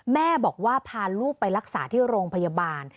แม่บอกว่าพาลูกไปรักษาที่โรงพยาบาล